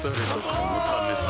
このためさ